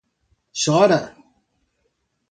Chora